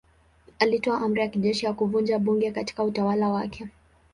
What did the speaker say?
Alitoa amri ya kijeshi ya kuvunja bunge katika utawala wake.